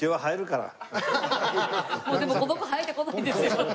もうでもこの子生えてこないですよ。